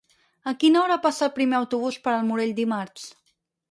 A quina hora passa el primer autobús per el Morell dimarts?